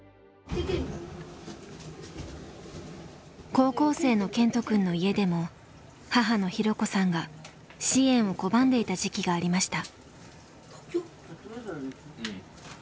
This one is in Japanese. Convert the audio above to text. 高校生の健人くんの家でも母の弘子さんが支援を拒んでいた時期がありました。